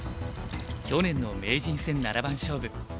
去年の名人戦七番勝負。